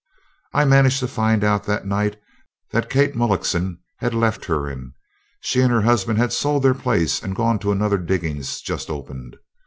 I managed to find out that night that Kate Mullockson had left Turon. She and her husband had sold their place and gone to another diggings just opened.